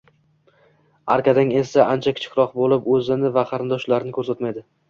Arkadag esa ancha kichikroq bo'lib, o'zini va qarindoshlarini ko'rsatmaydi